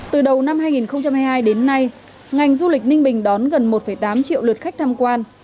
từ đầu năm hai nghìn hai mươi hai đến nay ngành du lịch ninh bình đón gần một tám triệu lượt khách tham quan